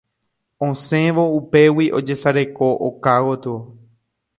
Asẽvo upégui ajesareko oka gotyo.